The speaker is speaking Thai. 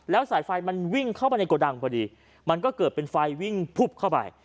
แล้วสายไฟมันวิ่งเข้าไปในโกดังพอดีมันก็เกิดเป็นไฟวิ่งพุบเข้าไป